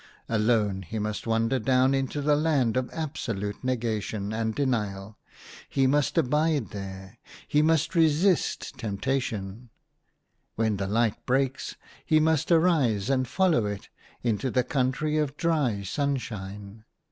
Alone he must wander down into the Land of Absolute Negation and Denial ; he must abide there ; he must resist temptation ; when the light breaks he must arise and follow it into the country of dry sunshine.